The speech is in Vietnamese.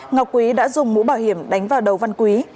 ngọc quý đã dùng mũ bảo hiểm đánh vào đầu văn quý